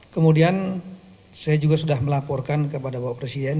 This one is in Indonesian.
kemudian saya juga sudah melaporkan kepada bapak presiden